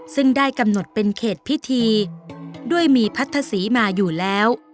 ซึ่งได้กำหนดเป็นเขตพิธีด้วยมีพัทธศรีมาอยู่แล้ว